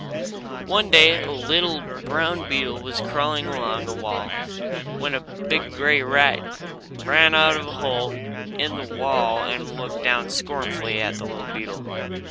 One day a little brown beetle was crawling along a wall when a big grey rat ran out of a hole in the wall and looked down scornfully at the little beetle.